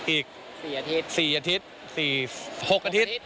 อีก๔อาทิตย์